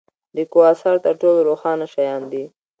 د کواسار تر ټولو روښانه شیان دي.